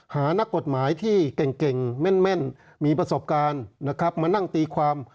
นักกฎหมายที่เก่งแม่นมีประสบการณ์นะครับมานั่งตีความ